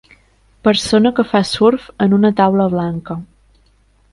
Persona que fa surf en una taula blanca